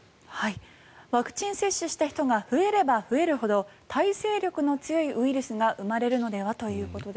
ワクチン接種した人が増えれば増えるほど耐性力の強いウイルスが生まれるのではということです。